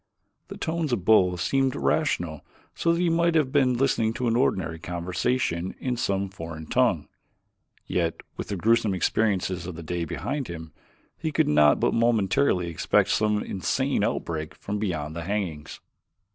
The tones of both seemed rational so that he might have been listening to an ordinary conversation in some foreign tongue. Yet with the gruesome experiences of the day behind him, he could not but momentarily expect some insane outbreak from beyond the hangings.